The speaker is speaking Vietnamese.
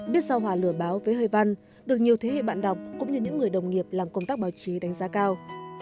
biết sao hòa lửa báo với hơi văn được nhiều thế hệ bạn đọc cũng như những người đồng nghiệp làm công tác báo chí đánh giá cao